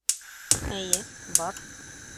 Эйе, бар